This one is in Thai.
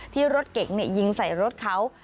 ที่รถเก๋งยิงใส่รถเขา